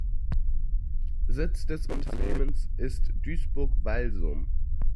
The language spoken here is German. Sitz des Unternehmens ist Duisburg-Walsum.